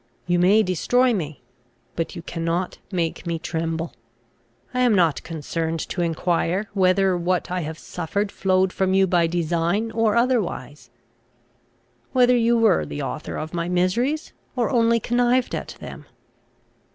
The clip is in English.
You may destroy me; but you cannot make me tremble. I am not concerned to enquire, whether what I have suffered flowed from you by design or otherwise; whether you were the author of my miseries, or only connived at them.